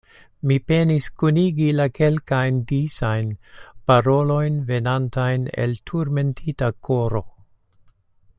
Mi penis kunigi la kelkajn disajn parolojn, venantajn el turmentita koro.